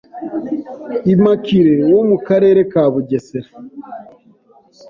Immaculée wo mu Karere ka Bugesera